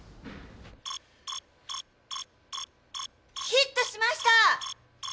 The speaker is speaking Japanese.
ヒットしました！